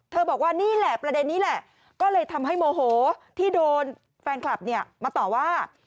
บอกว่านี่แหละประเด็นนี้แหละก็เลยทำให้โมโหที่โดนแฟนคลับเนี่ยมาต่อว่า